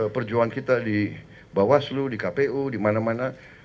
perjuangan kita di bawaslu di kpu di mana mana